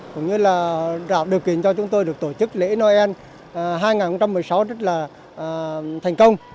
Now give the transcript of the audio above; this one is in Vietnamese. cũng như là tạo điều kiện cho chúng tôi được tổ chức lễ noel hai nghìn một mươi sáu rất là thành công